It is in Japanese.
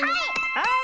はい！